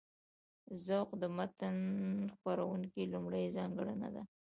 ذوق د متن څېړونکي لومړۍ ځانګړنه ده.